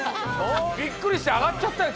びっくりしてあがっちゃったよ